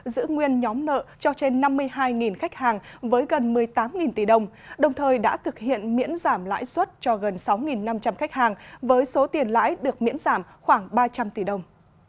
giữ nguyên nhóm nợ cho trên năm mươi hai khách hàng với gần một mươi tám tỷ đồng đồng thời đã thực hiện miễn giảm lãi suất cho gần sáu năm trăm linh khách hàng với số tiền lãi được miễn giảm khoảng ba trăm linh tỷ đồng